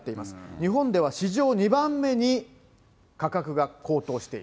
日本では史上２番目に価格が高騰している。